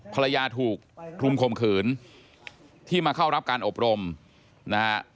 ภรรยาถูกคลุมคมขืนที่มาเข้ารับการอบรมนะฮะ